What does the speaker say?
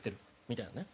みたいなね。